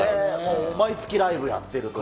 毎月ライブやってるという。